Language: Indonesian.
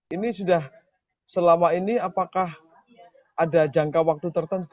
ini sudah selama ini apakah ada jangka waktu tertentu